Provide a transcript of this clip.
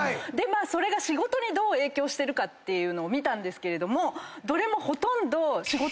それが仕事にどう影響してるか見たんですけどもどれもほとんど。